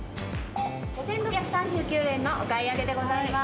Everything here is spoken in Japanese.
５，６３９円のお買い上げでございます。